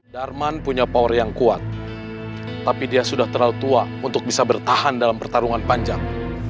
darman punya power yang kuat tapi dia sudah terlalu tua untuk bisa bertahan dalam pertarungan panjang